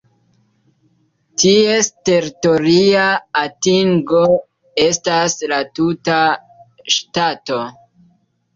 Ties teritoria atingo estas la tuta ŝtato.